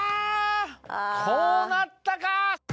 こうなったか！